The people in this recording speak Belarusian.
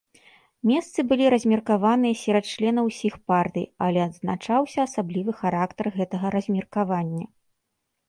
Месцы былі размеркаваныя серад членаў усіх партый, але адзначаўся асаблівы характар гэтага размеркавання.